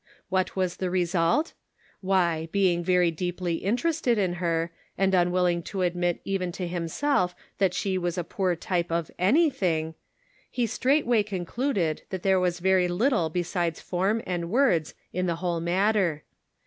What was the result? Why, being very deeply interested in her, and unwilling to admit even to himself that she was a poor t}^pe of anything, he straightway concluded that there was very little besides form and words in the whole matter.